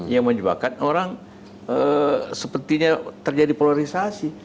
yang menyebabkan orang sepertinya terjadi polarisasi